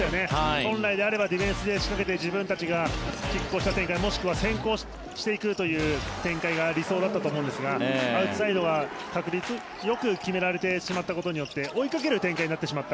本来であればディフェンスで仕掛けて自分たちがきっ抗した展開もしくは先行していくというのが理想だったと思うんですがアウトサイドが確率よく決められてしまったことによって追いかける展開になってしまった。